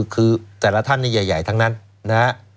คือแต่ละท่านใหญ่ทั้งนั้น